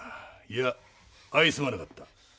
いやあいすまなかった。